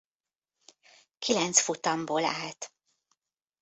Kilenc futamból állt.